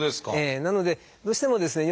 なのでどうしてもですね